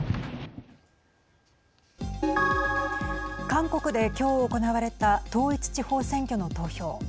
韓国で、きょう行われた統一地方選挙の投票。